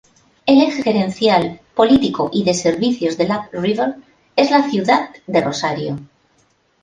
El eje gerencial, político y de servicios del Up-River es la ciudad de Rosario.